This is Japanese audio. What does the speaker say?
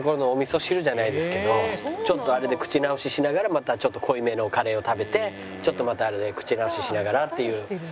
ちょっとあれで口直ししながらまたちょっと濃いめのカレーを食べてちょっとまたあれで口直ししながらっていう。